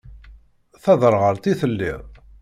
D taderɣalt i telliḍ?